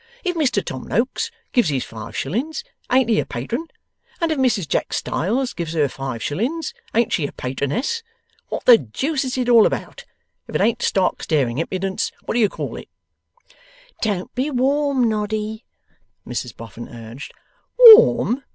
If Mr Tom Noakes gives his five shillings ain't he a Patron, and if Mrs Jack Styles gives her five shillings ain't she a Patroness? What the deuce is it all about? If it ain't stark staring impudence, what do you call it?' 'Don't be warm, Noddy,' Mrs Boffin urged. 'Warm!